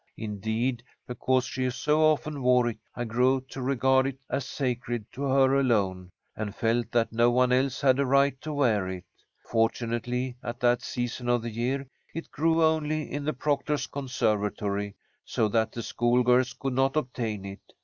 Indeed, because she so often wore it, I grew to regard it as sacred to her alone, and felt that no one else had a right to wear it. Fortunately, at that season of the year it grew only in the proctor's conservatory, so that the schoolgirls could not obtain it.